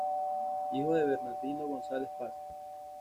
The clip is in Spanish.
Hijo de Bernardino González Paz.